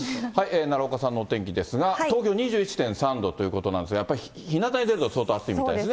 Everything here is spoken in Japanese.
奈良岡さんのお天気ですが、東京２１．３度ということなんですが、やっぱりひなたに出ると、相当暑いみたいですね。